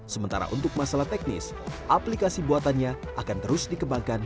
sementara untuk masalah teknis aplikasi buatannya akan terus dikembangkan